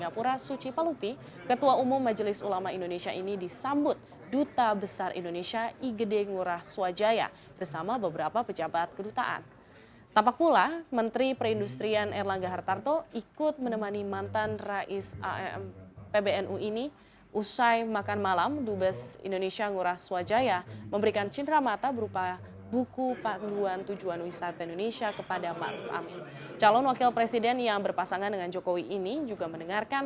pertemuan tersebut berlangsung